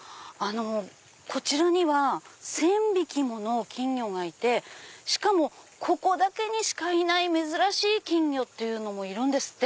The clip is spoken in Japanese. こちらには１０００匹もの金魚がいてしかもここだけにしかいない珍しい金魚もいるんですって。